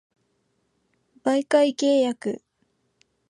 媒介契約